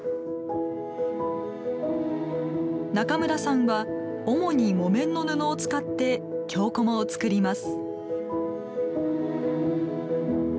中村さんは主に木綿の布を使って京こまを作ります。